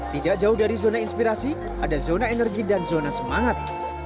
tidak jauh dari zona inspirasi ada zona energi dan zona semangat